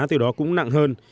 từ đó cũng nặng hơn